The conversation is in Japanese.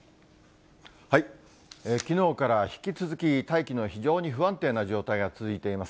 きのうから引き続き大気の非常に不安定な状態が続いています。